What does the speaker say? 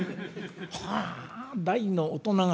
はあ大の大人が２０」。